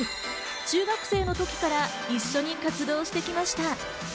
中学生の時から一緒に活動してきました。